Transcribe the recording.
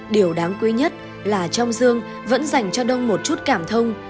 điều đáng quý nhất là trong dương vẫn dành cho đông một chút cảm thông